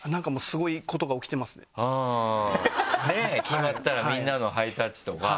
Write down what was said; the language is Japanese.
ねぇ決まったらみんなのハイタッチとか。